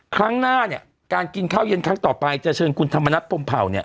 ครั้งหน้าเนี่ยการกินข้าวเย็นครั้งต่อไปจะเชิญคุณธรรมนัฐพรมเผาเนี่ย